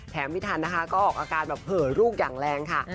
ไม่ทันนะคะก็ออกอาการแบบเหอลูกอย่างแรงค่ะ